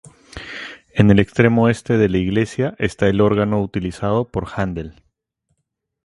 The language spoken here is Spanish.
En el extremo este de la iglesia está el órgano utilizado por Händel.